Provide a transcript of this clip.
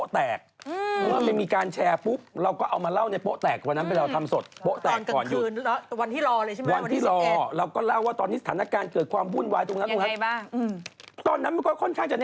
ตำหลวดไปแล้วรัฐมนตร์ตีไปแล้ว